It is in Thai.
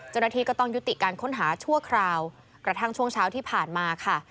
เจ้าหน้าที่ก็ต้องยุติการค้นหาชั่วคราวกระทั่งช่วงเช้าที่ผ่านมาค่ะ